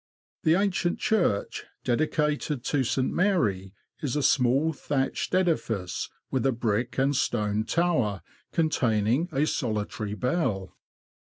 The ancient church, dedicated to St. Mary, is a small, thatched edifice, with a brick and stone tower, containing a solitary bell.